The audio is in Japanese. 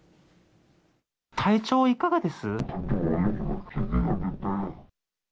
体調いかがです？